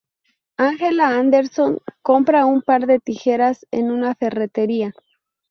Angela Anderson compra un par de tijeras en una ferretería.